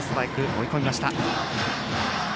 追い込みました。